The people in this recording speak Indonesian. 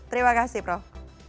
terima kasih prof